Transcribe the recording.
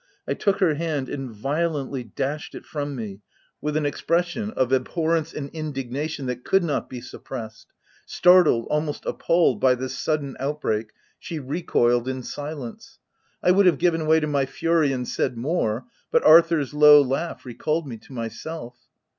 I took her hand and violently dashed it from me, with an expres sion of abhorrence and indignation that could not be suppressed. Startled, almost appalled* by this sudden outbreak, she recoiled in silence. I would have given way to my fury and said more, but Arthur's low laugh recalled me to myself.